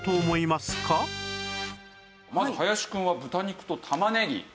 まず林くんは豚肉と玉ねぎ。